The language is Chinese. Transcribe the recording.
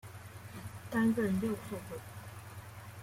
担任右后卫。